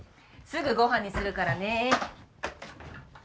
すぐごはんにするからね。